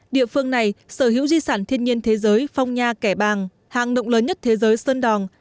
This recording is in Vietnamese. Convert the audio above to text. địa phương này sở hữu di sản thiên nhiên thế giới phong nha kẻ bàng hàng động lớn nhất thế giới sơn đòn